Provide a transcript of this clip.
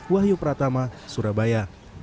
wahyu pratama surabaya